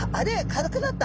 軽くなった！